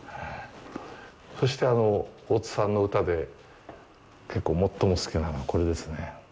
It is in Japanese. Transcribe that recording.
そして、大津さんの歌で結構、最も好きなのは、これですね。